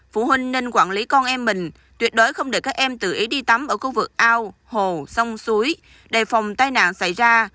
phụ huynh nên quản lý con em mình tuyệt đối không để các em tự ý đi tắm ở khu vực ao hồ sông suối đề phòng tai nạn xảy ra